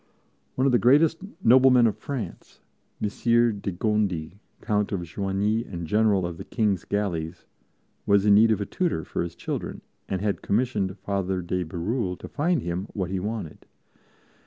One of the greatest noblemen of France, Messire de Gondi, Count of Joigny and General of the King's Galleys, was in need of a tutor for his children and had commissioned Father de Bérulle to find him what he wanted.